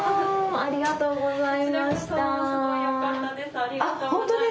ありがとうございます。